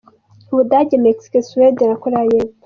U Budage, Mexique, Suede, Koreya y’Epfo